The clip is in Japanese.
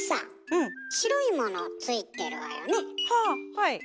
はい。